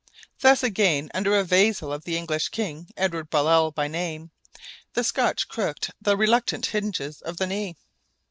Thus again under a vassal of the English king, Edward Baliol by name, the Scotch crooked the reluctant hinges of the knee.